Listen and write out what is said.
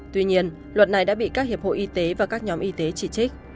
tuy nhiên luật này đã bị các hiệp hội y tế và các nhóm y tế chỉ trích